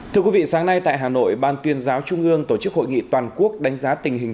thưa quý vị sáng nay tại hà nội ban tuyên giáo trung ương tổ chức hội nghị toàn quốc đánh giá tình hình